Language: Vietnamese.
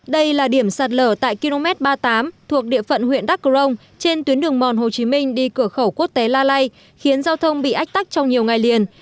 đây là điểm sạt lở tại km ba mươi tám thuộc địa phận huyện đắk crong trên tuyến đường mòn hồ chí minh đi cửa khẩu quốc tế la lai khiến giao thông bị ách tắc trong nhiều ngày liền